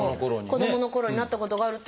子どものころになったことがある。